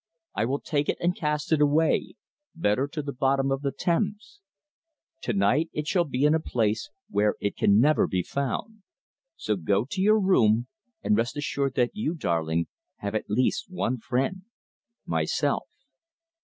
I will take it and cast it away better to the bottom of the Thames. To night it shall be in a place where it can never be found. So go to your room, and rest assured that you, darling, have at least one friend myself."